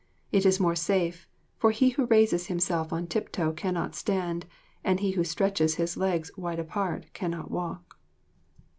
It is more safe, for "he who raises himself on tiptoe cannot stand, and he who stretches his legs wide apart cannot walk."